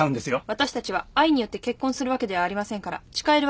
私たちは愛によって結婚するわけではありませんから誓えるわけがない。